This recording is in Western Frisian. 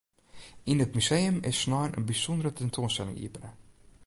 Yn it museum is snein in bysûndere tentoanstelling iepene.